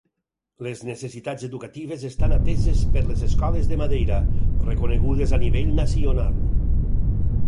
Les necessitats educatives estan ateses per les escoles de Madeira reconegudes a nivell nacional.